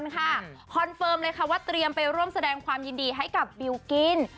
คอนเฟิร์มเลยค่ะว่าเตรียมไปร่วมแสดงความยินดีให้กับบิวกิน